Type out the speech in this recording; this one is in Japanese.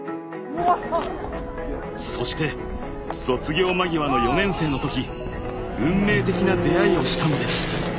そして卒業間際の４年生の時運命的な出会いをしたのです。